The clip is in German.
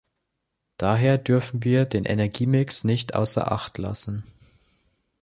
Daher dürfen wir den Energiemix nicht außer Acht lassen.